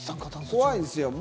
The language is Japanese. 怖いですよ。